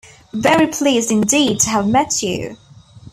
Very pleased indeed to have met you.